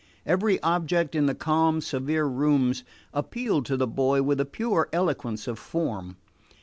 Every object in the calm severe rooms appealed to the boy with the pure eloquence of form.